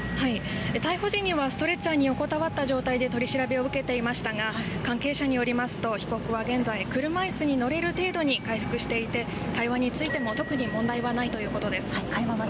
逮捕時にはストレッチャーに横たわった状態で取り調べを受けていましたが関係者によると被告は現在、車いすに乗れる程度に回復していて会話についても特に問題ないということです。